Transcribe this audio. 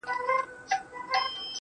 بلا وهلی يم، چي تا کوم بلا کومه.